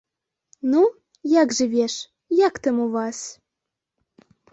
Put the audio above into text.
Ну, як жывеш, як там у вас?